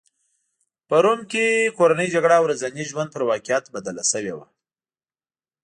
په روم کې کورنۍ جګړه ورځني ژوند پر واقعیت بدله شوې وه